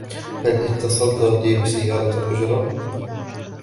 هلّ أتصلت لي بسيارة أجرة؟